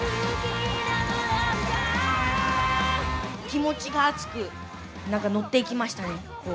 気持ちが熱く、なんか乗ってきましたね。